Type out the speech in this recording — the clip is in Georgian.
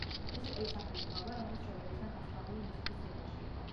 ეს იყო ის ახალი თაობა, რომელიც მშობლებისგან განსხვავებული მუსიკის ძიებაში იყო.